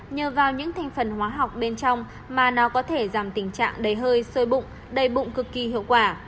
nhờ vào những thành phần hóa học bên trong mà nó có thể giảm tình trạng đầy hơi sôi bụng đầy bụng cực kỳ hiệu quả